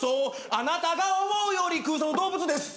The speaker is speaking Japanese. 「あなたが思うより空想の動物です」